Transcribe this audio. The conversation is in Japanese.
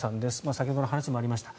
先ほどの話にもありました